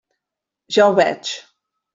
Ja ho veig.